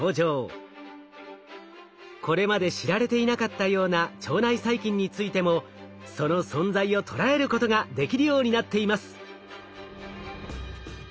これまで知られていなかったような腸内細菌についてもその存在を捉えることができるようになっています。